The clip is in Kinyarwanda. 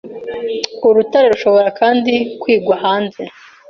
Urutare rushobora kandi kwigwa hanze